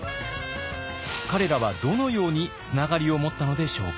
彼らはどのようにつながりを持ったのでしょうか。